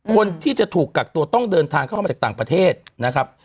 คนที่จะถูกกักตัวต้องเดินทางเข้ามาจากต่างประเทศนะครับ